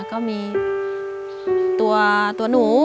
ก็มีตัวหนู